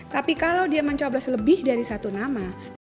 tapi kalau dia mencoblos lebih dari satu nama